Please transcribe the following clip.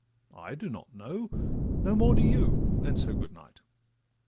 —I do not know, no more do you— And so good night.